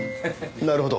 なるほど。